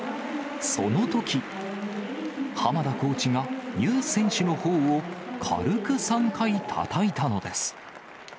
そのとき、濱田コーチがユ選手のほおを軽く３回たたいたのです。